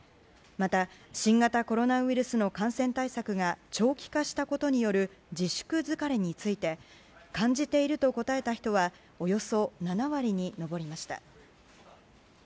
また、新型コロナウイルスの感染対策が長期化したことによる自粛疲れについて感じていると答えた人はおよそ７割に上りました。